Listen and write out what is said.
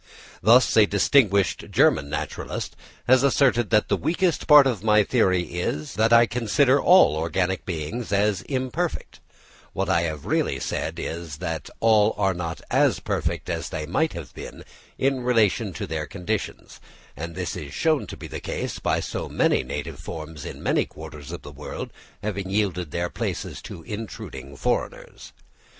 Thus a distinguished German naturalist has asserted that the weakest part of my theory is, that I consider all organic beings as imperfect: what I have really said is, that all are not as perfect as they might have been in relation to their conditions; and this is shown to be the case by so many native forms in many quarters of the world having yielded their places to intruding foreigners.